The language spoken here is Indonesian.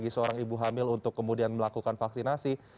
bagi seorang ibu hamil untuk kemudian melakukan vaksinasi